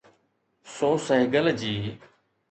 سو سهگل جي.